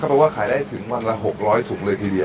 เพราะว่าขายได้ถึงวันละ๖๐๐ถุงเลยทีเดียว